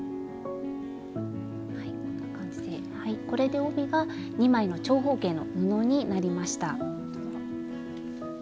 これで帯が２枚の長方形の布になりました。